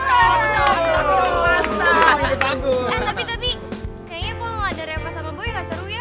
eh tapi tapi kayaknya kalau gak ada repas sama boy gak seru ya